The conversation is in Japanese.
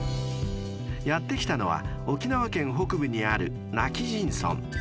［やって来たのは沖縄県北部にある今帰仁村］